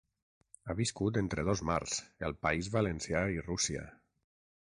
Ha viscut entre dos mars: el País Valencià i Rússia.